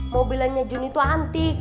mobilnya jun itu antik